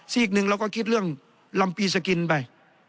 อีกหนึ่งเราก็คิดเรื่องลำปีสกินไป